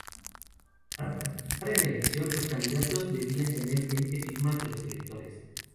Para participar en la elección, los candidatos debían obtener veinte firmas de los electores.